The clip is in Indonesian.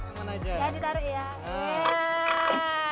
ya ditaruh ya